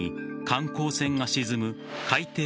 観光船が沈む海底